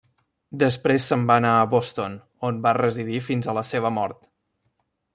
Després se'n va anar a Boston, on va residir fins a la seva mort.